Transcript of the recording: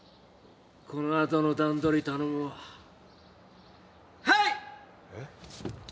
このあとの段取り頼むわはいえっ？